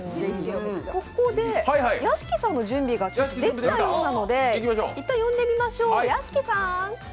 ここで屋敷さんの準備ができたようなので一旦呼んでみましょう。